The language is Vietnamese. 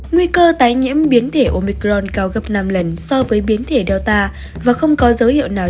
nguy cơ tái nhiễm biến thể omicron cao gấp năm lần so với biến thể data và không có dấu hiệu nào